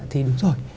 thì đúng rồi